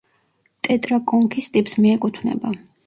ტეტრაკონქის ტიპს მიეკუთვნება.